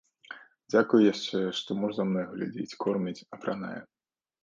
Дзякуй яшчэ, што муж за мной глядзіць, корміць, апранае.